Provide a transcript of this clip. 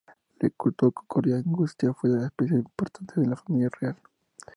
El culto de Concordia Augusta fue de especial importancia en la Familia real.